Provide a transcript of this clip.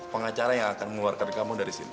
pengacara yang akan mengeluarkan kamu dari sini